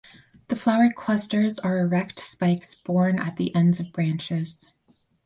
The flower clusters are erect spikes borne at the ends of branches.